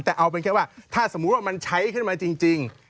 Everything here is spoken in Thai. แต่เอาเป็นแค่ว่าถ้าสมมุติว่ามันใช้ขึ้นมาจริง